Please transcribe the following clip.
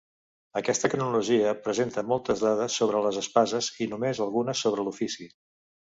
Aquesta cronologia presenta moltes dades sobre les espases i només algunes sobre l’ofici.